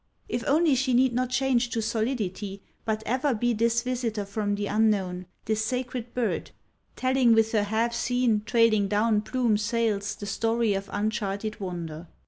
If only she need not change to solidity, but ever be this visitor from the unknown, this sacred bird, telling with her half seen, trailing down plume—sails the story of uncharted wonder.